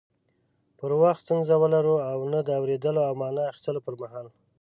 پر وخت ستونزه ولرو او نه د اوريدلو او معنی اخستلو پر مهال